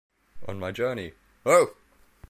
On my journey - oh!